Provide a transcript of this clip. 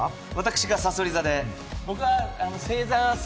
私が、さそり座です。